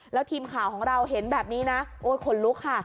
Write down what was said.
แล้วทีมข่าวของเราเห็นแบบนี้นะโอ้ยขนลุกค่ะ